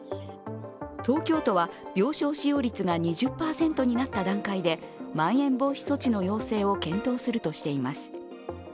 東京都は病床使用率が２０％になった段階でまん延防止等重点措置の要請を検討するとしています。